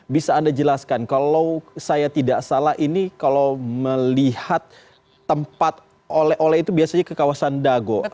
bisa anda jelaskan kalau saya tidak salah ini kalau melihat tempat oleh oleh itu biasanya ke kawasan dago